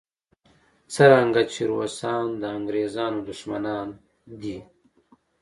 څرنګه چې روسان د انګریزانو دښمنان دي.